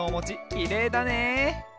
きれいだね。